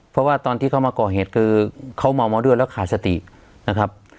เพราะว่าตอนที่เขามาก่อเหตุคือเขาเมามาด้วยแล้วขาดสตินะครับ